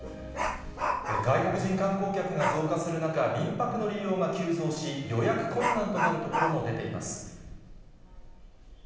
外国人観光客が増加する中、民泊の利用が急増し、予約困難となるところも出ています。